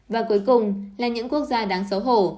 và cuối cùng là những quốc gia đáng xấu hổ